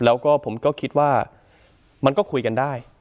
แล้วก็ผมก็คิดว่ามันก็คุยกันได้